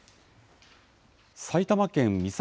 埼玉県美里